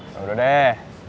ya udah deh